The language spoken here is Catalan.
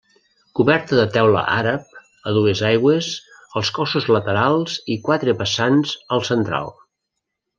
Coberta de teula àrab, a dues aigües els cossos laterals i quatre vessants el central.